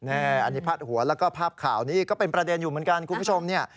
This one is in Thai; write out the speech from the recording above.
อันนี้พาดหัวแล้วก็ภาพข่าวนี้ก็เป็นประเด็นอยู่เหมือนกันคุณผู้ชมเนี่ย